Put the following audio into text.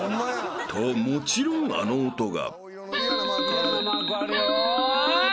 ［ともちろんあの音が］